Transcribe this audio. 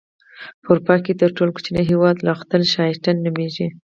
په اروپا کې تر ټولو کوچنی هیواد لختن شټاين نوميږي.